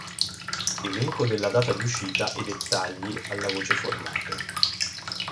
Elenco della Data di uscita e dettagli alla voce Formato.